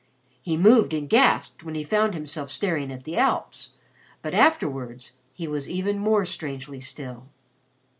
He moved and gasped when he found himself staring at the Alps, but afterwards he was even strangely still.